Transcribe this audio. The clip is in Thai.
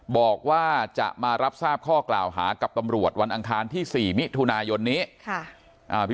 บอกว่าจะมารับทราบข้อกล่าวหากับตำรวจวันอังคารที่๔มิถุนายนนี้